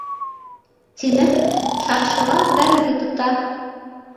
— Тимәк, шаршыла бәрҙе тота